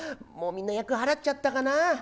もうみんな厄払っちゃったかな。